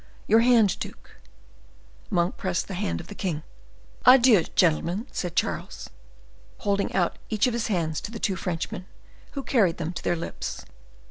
Your hand, duke." Monk pressed the hand of the king. "Adieu! gentlemen," said Charles, holding out each of his hands to the two Frenchmen, who carried them to their lips.